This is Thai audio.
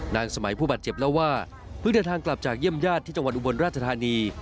นางสมัยผู้บาดเจ็บเล่าว่าเพิ่งเดินทางกลับจากเยี่ยมญาติที่จังหวัดอุบลราชธานี